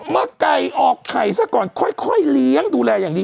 เมื่อไก่ออกไข่ซะก่อนค่อยเลี้ยงดูแลอย่างดี